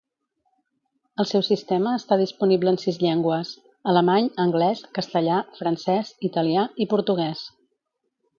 El seu sistema està disponible en sis llengües; alemany, anglès, castellà, francès, italià i portuguès.